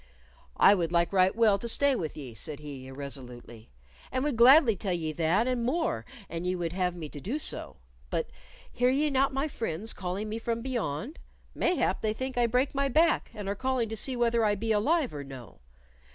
"I would like right well to stay with ye," said he, irresolutely, "and would gladly tell ye that and more an ye would have me to do so; but hear ye not my friends call me from beyond? Mayhap they think I break my back, and are calling to see whether I be alive or no.